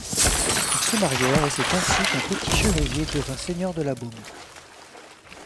Ils se marièrent et c’est ainsi qu’un petit chevrier devint seigneur de la Beaume.